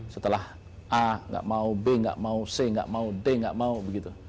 setelah a nggak mau b nggak mau c nggak mau d nggak mau begitu